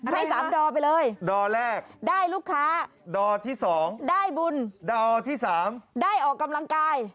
ใคร๓ดอไปเลยได้ลูกค้า๒ได้บุญ๓ได้ออกกำลังกาย